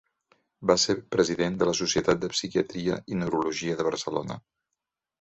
Va ser president de la Societat de Psiquiatria i Neurologia de Barcelona.